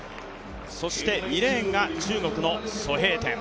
そして、２レーンが中国のソ・ヘイテン。